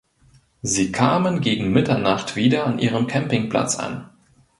Sie kamen gegen Mitternacht wieder an ihrem Campingplatz an.